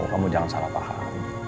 kamu jangan salah paham